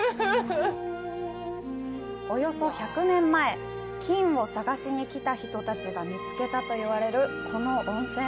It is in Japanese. およそ１００年前、金を探しに来た人たちが見つけたと言われるこの温泉。